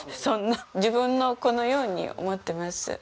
そんな自分の子のように思っています。